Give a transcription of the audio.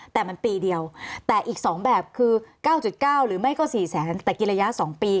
แต่มันปีเดียวแต่อีก๒แบบคือ๙๙หรือไม่ก็๔แสนแต่กินระยะ๒ปี